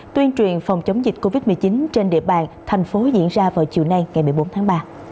tuyên truyền phòng chống dịch covid một mươi chín trên địa bàn thành phố diễn ra vào chiều nay ngày một mươi bốn tháng ba